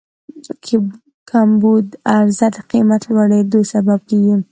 کمبود عرضه د قیمت لوړېدو سبب کېږي.